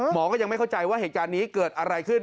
หมอก็ยังไม่เข้าใจว่าเหตุการณ์นี้เกิดอะไรขึ้น